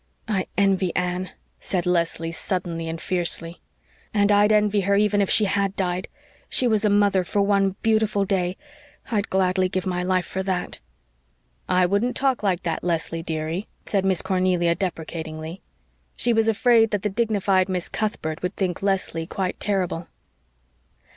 "I ENVY Anne," said Leslie suddenly and fiercely, "and I'd envy her even if she had died! She was a mother for one beautiful day. I'd gladly give my life for THAT!" "I wouldn't talk like that, Leslie, dearie," said Miss Cornelia deprecatingly. She was afraid that the dignified Miss Cuthbert would think Leslie quite terrible.